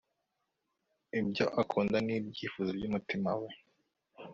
ibyo akunda n'ibyifuzo by'umutima we